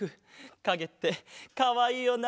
かげってかわいいよな。